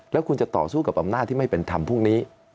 แล้วคุณจะต่อสู้กับอำนาจที่ไม่เป็นธรรมพรุ่งนี้